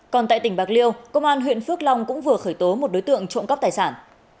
còn tại tỉnh bạc liêu công an huyện phước long cũng vừa khởi tố một đối tượng trộm cắp tài sản